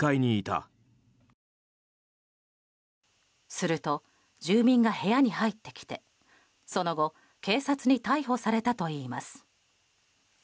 すると、住民が部屋に入ってきてその後警察に逮捕されたといいます。